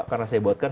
karena saya buatkan